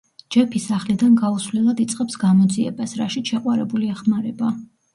ჯეფი სახლიდან გაუსვლელად იწყებს გამოძიებას, რაშიც შეყვარებული ეხმარება.